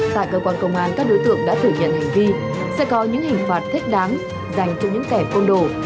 tại cơ quan công an các đối tượng đã thử nhận hành vi sẽ có những hình phạt thích đáng dành cho những kẻ côn đồ